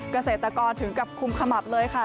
เกษตรกรถึงกับคุมขมับเลยค่ะ